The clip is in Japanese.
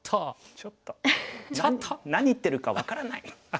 ちょっと何言ってるか分からない。